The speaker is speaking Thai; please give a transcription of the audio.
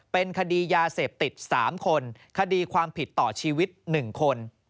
เป็นคดียาเสพติด๓คนคดีความผิดต่อชีวิต๑คน